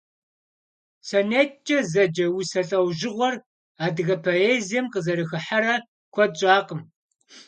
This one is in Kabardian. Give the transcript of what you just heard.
СонеткӀэ зэджэ усэ лӀэужьыгъуэр адыгэ поэзием къызэрыхыхьэрэ куэд щӀакъым.